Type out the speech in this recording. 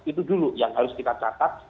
itu dulu yang harus kita catat